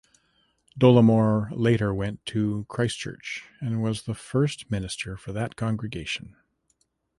Dolamore later went to Christchurch and was the first minister for that congregation.